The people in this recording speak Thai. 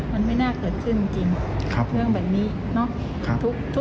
มันไม่น่าเกิดขึ้นจริงเรื่องแบบนี้เนาะ